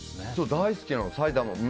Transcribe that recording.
大好きなの、埼玉。